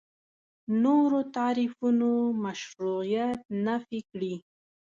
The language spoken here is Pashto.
نورو تعریفونو مشروعیت نفي کړي.